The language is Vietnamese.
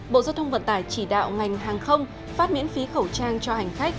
bộ giao thông vận tải chỉ đạo ngành hàng không phát miễn phí khẩu trang cho hành khách